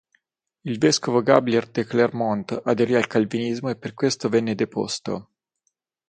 Il vescovo Gabriel de Clermont aderì al calvinismo e per questo venne deposto.